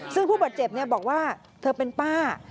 ซึ่งผู้บาดเจ็บบอกว่าเธอเป็นป้า